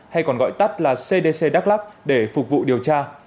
hay còn gọi tắt là cdc đắk lắc để phục vụ điều tra